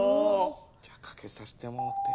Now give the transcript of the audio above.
じゃあかけさせて。